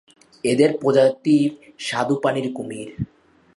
এদের প্রজাতি স্বাদুপানির কুমির।